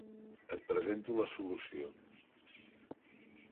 Et presento la solució.